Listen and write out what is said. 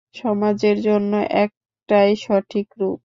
সমাজের জন্য এটাই সঠিক রূপ।